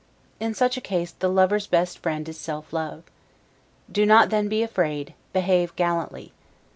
In such a case, the lover's best friend is self love. Do not then be afraid; behave gallantly.